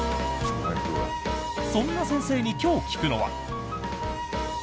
そんな先生に今日聞くのは。